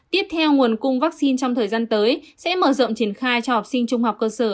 tiếp theo nguồn cung vaccine trong thời gian tới sẽ mở rộng triển khai cho học sinh trung học cơ sở